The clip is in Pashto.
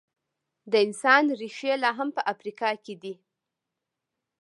د انسان ریښې لا هم په افریقا کې دي.